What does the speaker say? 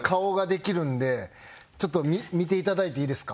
ちょっと見て頂いていいですか？